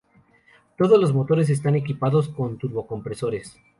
Todos los motores están equipados con turbocompresores.